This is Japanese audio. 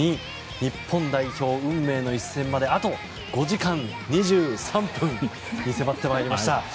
日本代表、運命の一戦まであと５時間２３分に迫ってまいりました。